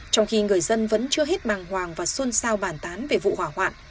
trong khi người dân vẫn chưa hết màng hoàng và xuân sao bản tán về vụ hỏa hoạn